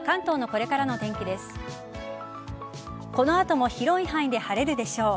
この後も広い範囲で晴れるでしょう。